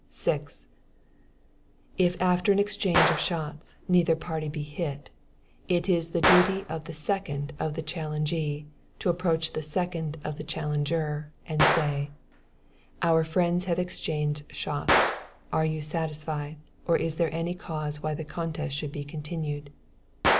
6. If after an exchange of shots, neither party be hit, it is the duty of the second of the challengee, to approach the second of the challenger and say: "Our friends have exchanged shots, are you satisfied, or is there any cause why the contest should be continued?"